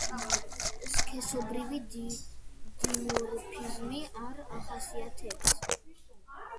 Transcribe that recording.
სქესობრივი დიმორფიზმი არ ახასიათებს.